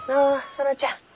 園ちゃん。